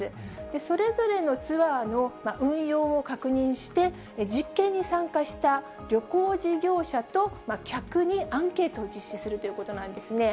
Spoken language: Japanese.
それぞれのツアーの運用を確認して、実験に参加した旅行事業者と客にアンケートを実施するということなんですね。